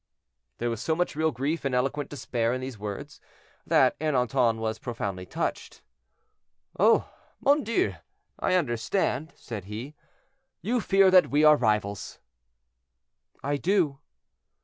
There was so much real grief and eloquent despair in these words, that Ernanton was profoundly touched. "Oh! mon Dieu! I understand," said he; "you fear that we are rivals." "I do."